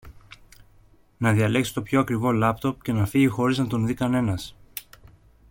να διαλέξει το πιο ακριβό λάπτοπ και να φύγει χωρίς να τον δει κανένας